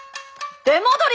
出戻り！